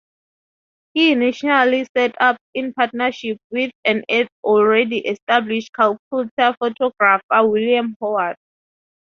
He initially set up in partnership with an already established Calcutta photographer, William Howard.